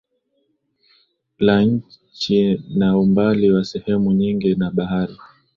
la nchi na umbali wa sehemu nyingi na bahari